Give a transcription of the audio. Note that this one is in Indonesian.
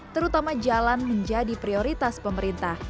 terutama jalan menjadi prioritas pemerintah